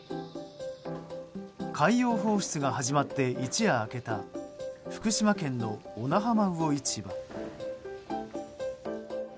海洋放出が始まって一夜明けた福島県の小名浜魚市場。